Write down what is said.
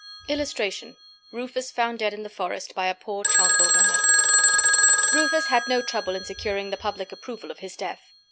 [Illustration: RUFUS FOUND DEAD IN THE FOREST BY A POOR CHARCOAL BURNER.] Rufus had no trouble in securing the public approval of his death.